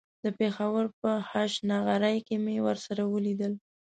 د پېښور په هشنغرۍ کې مې ورسره وليدل.